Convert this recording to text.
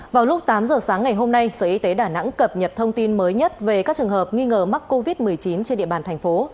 vào lúc tám giờ sáng ngày hôm nay sở y tế đà nẵng cập nhật thông tin mới nhất về các trường hợp nghi ngờ mắc covid một mươi chín trên địa bàn thành phố